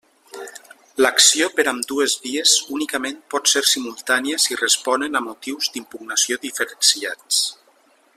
L'acció per ambdues vies únicament pot ser simultània si responen a motius d'impugnació diferenciats.